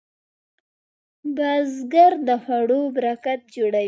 بزګر د خوړو برکت جوړوي